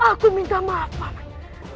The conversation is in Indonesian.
aku minta maaf pak man